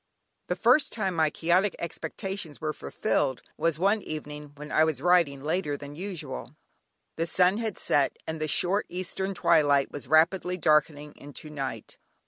The first time my Quixotic expectations were fulfilled, was one evening when I was riding later than usual. The sun had set, and the short eastern twilight was rapidly darkening into night.